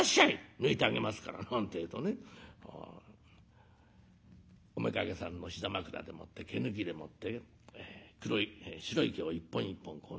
抜いてあげますから」なんてえとねおめかけさんの膝枕でもって毛抜きでもって白い毛を一本一本こう抜いてもらいます。